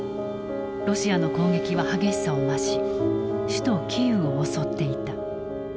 ロシアの攻撃は激しさを増し首都キーウを襲っていた。